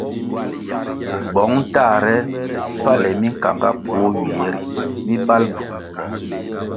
Bong tahre pale minkanga puoh ywie ri mi mbal bvu.